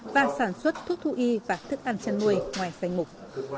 và sản xuất thuốc thú y và thức ăn chăn nuôi ngoài danh mục